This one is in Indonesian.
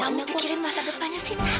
andri kamu pikirin masa depannya sita